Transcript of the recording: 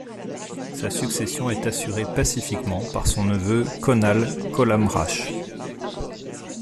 Sa succession est assurée pacifiquement par son neveu Conall Collamrach.